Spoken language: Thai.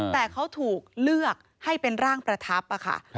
แต่เขาถูกเลือกให้เป็นร่างประทับค่ะ